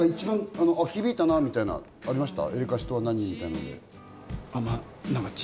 響いたなみたいなのはありましたか？